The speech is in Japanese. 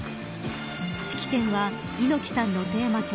式典は猪木さんのテーマ曲